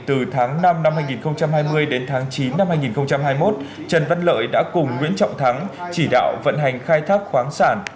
từ tháng năm năm hai nghìn hai mươi đến tháng chín năm hai nghìn hai mươi một trần văn lợi đã cùng nguyễn trọng thắng chỉ đạo vận hành khai thác khoáng sản